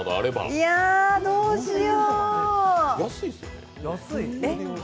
いや、どうしよう。